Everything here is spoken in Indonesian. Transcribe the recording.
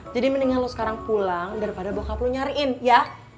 jadi mendingan lo sekarang pulang daripada bokap lo nyariin ya